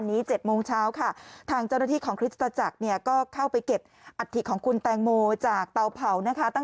เมื่อวานนี้๗โมงเช้าค่ะ